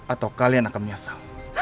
atau kalian akan menyesal